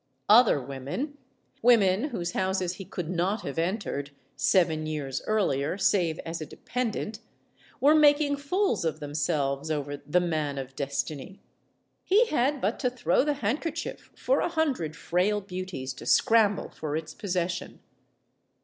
Other women women whose houses he could not have entered, seven years earlier, save as a dependent were making fools of themselves over the Man of Destiny. He had but to throw the handkerchief for a hundred frail beauties to scramble for its possession.